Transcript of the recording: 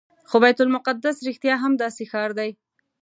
خو بیت المقدس رښتیا هم داسې ښار دی.